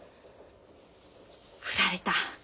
振られた。